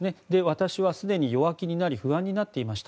私はすでに弱気になり不安になっていました。